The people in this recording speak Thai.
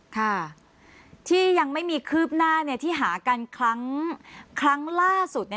ค่ะที่ยังไม่มีคืบหน้าเนี่ยที่หากันครั้งครั้งล่าสุดเนี่ย